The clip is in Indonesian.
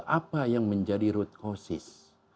apa yang menjadi root causes